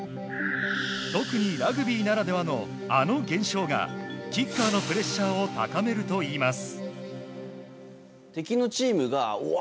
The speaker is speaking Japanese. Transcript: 特にラグビーならではのあの現象がキッカーのプレッシャーを高めるといいます。